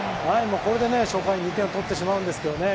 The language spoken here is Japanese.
初回２点を取ってしまうんですけれども。